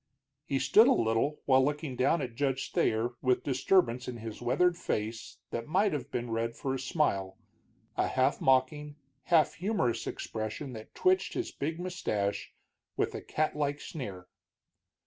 He stood a little while looking down at Judge Thayer, a disturbance in his weathered face that might have been read for a smile, a half mocking, half humorous expression that twitched his big mustache with a catlike sneer.